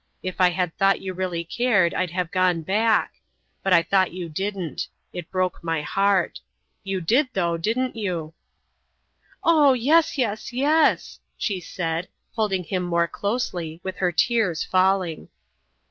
If I had thought you really cared I'd have gone back. But I thought you didn't. It broke my heart. You did though, didn't you?" "Oh, yes, yes, yes," she said, holding him more closely, with her tears falling.